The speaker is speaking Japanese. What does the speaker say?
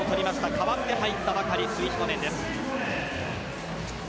代わって入ったばかりのスイヒコネンです。